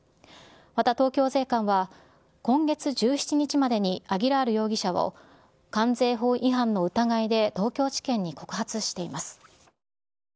また、東京税関は、今月１７日までに、アギラール容疑者を、関税法違反の疑いで東京地検に告発しています。